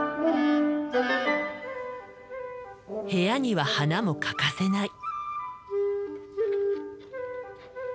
部屋には花も欠かせない。